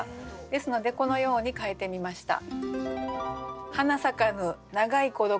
ですのでこのように変えてみました。